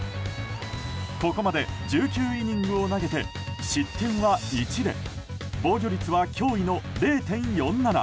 ここまで１９イニングを投げて失点は１で防御率は驚異の０．４７。